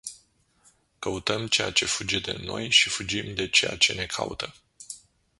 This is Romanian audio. Căutăm ceea ce fuge de noi și fugim de ceea ce ne caută.